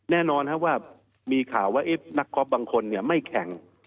แน่นอนว่ามีข่าวว่านักคอปบางคนไม่แข่ง